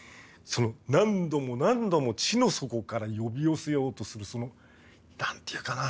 その何度も何度も地の底から呼び寄せようとする何て言うかな？